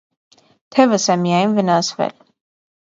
Թևս է միայն վնասվել.